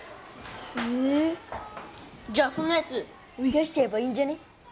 へえじゃあそんなヤツ追い出しちゃえばいいんじゃね？